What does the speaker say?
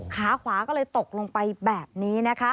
ขาขวาก็เลยตกลงไปแบบนี้นะคะ